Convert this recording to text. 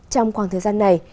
trong khoảng thời gian này